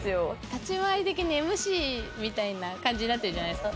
立ち回り的にＭＣみたいな感じになってるじゃないですか。